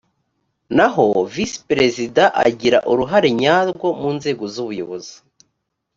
naho visi perezida agira uruhare nyarwo mu nzego z’ubuyobozi